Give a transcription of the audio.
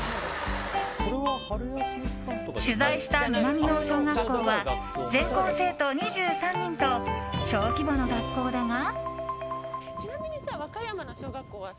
取材した南能生小学校は全校生徒２３人と小規模の学校だが。